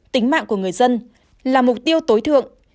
tính mạng của người dân là mục tiêu tối thượng